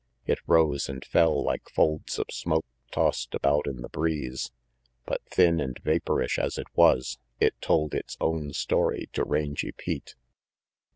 It rose and fell like folds of smoke tossed about in the breeze; but thin and vaporish as it was, it told its own story to Rangy Pete.